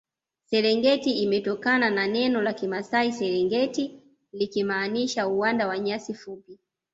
serengeti imetokana na neno la kimasai serengit likimaanisha uwanda wa nyasi fupi